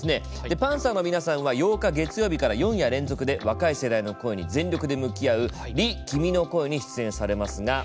パンサーの皆さんは８日、月曜日から４夜連続で若い世代の声に全力で向き合う「Ｒｅ：君の声」に出演されますが。